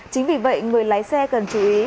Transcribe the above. chính vì vậy người lái xe cần chú ý